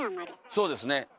そうですね。